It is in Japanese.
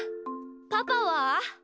パパは？